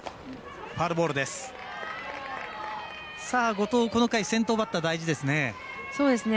後藤、この回先頭バッター大事ですね。